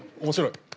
面白い。